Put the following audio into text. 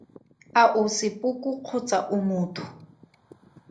A o sepoko kgotsa o motho?